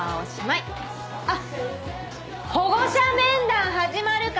あっ。